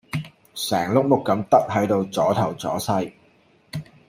成碌木咁得喺度阻頭阻勢!